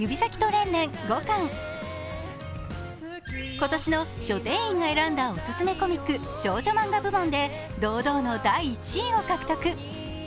今年の書店員が選んだオススメコミック少女マンガ部門で堂々の第１位を獲得。